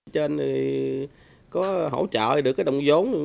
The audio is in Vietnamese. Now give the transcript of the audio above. trên thì có hỗ trợ được cái đồng giống